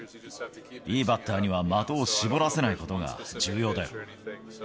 いいバッターには的を絞らせないことが重要だよ。